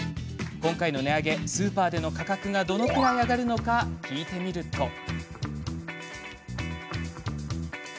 今回の値上げでスーパーでの価格がどのくらい上がるのか聞いてみると。